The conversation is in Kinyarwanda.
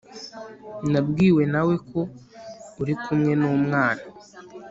nabwiwe nawe ko uri kumwe numwana